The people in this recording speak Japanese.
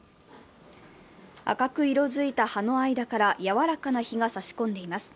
赤く色づいた葉の間からやわらかな日が差し込んでいます。